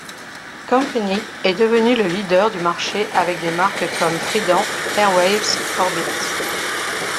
Company est devenu le leader du marché avec des marques comme Freedent, Airwaves, Orbit.